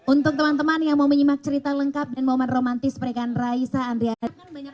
untuk teman teman yang mau menyimak cerita lengkap dan momen romantis mereka raisa andria